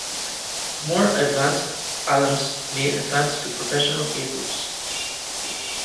More advanced alumns may advance to professional careers.